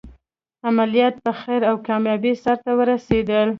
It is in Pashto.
عملیات په خیر او کامیابۍ سرته ورسېدل.